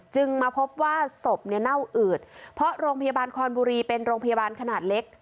มาพบว่าศพเนี่ยเน่าอืดเพราะโรงพยาบาลคอนบุรีเป็นโรงพยาบาลขนาดเล็ก